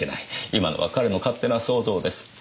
今のは彼の勝手な想像です。